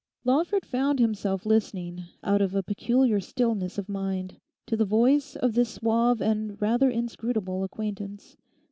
Lawford found himself listening out of a peculiar stillness of mind to the voice of this suave and rather inscrutable acquaintance.